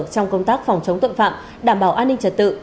trong công tác phòng chống tội phạm đảm bảo an ninh trật tự